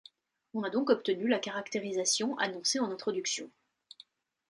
On a donc obtenu la caractérisation annoncée en introduction.